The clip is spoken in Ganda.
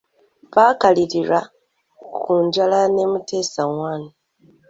Baakaliira ku njala ne Mutesa I.